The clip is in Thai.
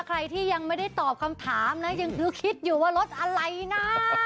ใครที่ยังไม่ได้ตอบคำถามนะยังคือคิดอยู่ว่ารถอะไรนะ